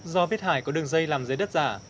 do biết hải có đường dây làm dây đất giả